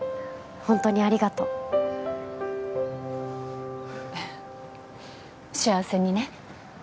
ホントにありがとう幸せにね